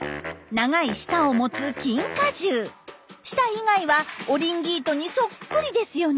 長い舌を持つ舌以外はオリンギートにそっくりですよね。